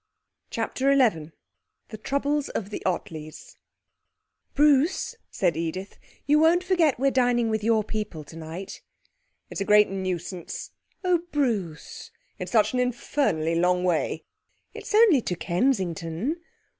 CHAPTER XI The Troubles of the Ottleys 'Bruce', said Edith, 'you won't forget we're dining with your people tonight?' 'It's a great nuisance.' 'Oh, Bruce!' 'It's such an infernally long way.' 'It's only to Kensington.'